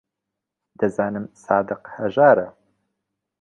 دەزانم سادق هەژارە.